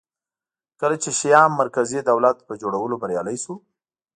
کله چې شیام مرکزي دولت په جوړولو بریالی شو